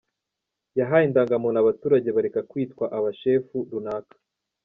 Yahaye indangamuntu abaturage, bareka kwitwa aba shefu runaka.